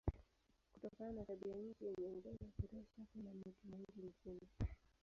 Kutokana na tabianchi yenye mvua ya kutosha kuna mito mingi nchini.